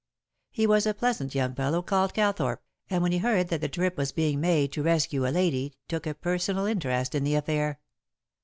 He was a pleasant young fellow called Calthorpe, and when he heard that the trip was being made to rescue a lady took a personal interest in the affair.